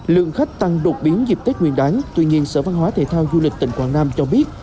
lượng khách tăng đột biến dịp tết nguyên đáng tuy nhiên sở văn hóa thể thao du lịch tỉnh quảng nam cho biết